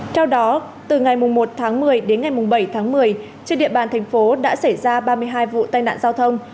theo đó từ ngày một tháng một mươi đến ngày bảy tháng một mươi trên địa bàn thành phố đã xảy ra ba mươi hai vụ tai nạn giao thông